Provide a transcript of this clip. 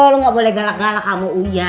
lo gak boleh galak galak kamu uya